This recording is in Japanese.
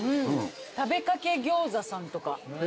食べかけ餃子さんとか。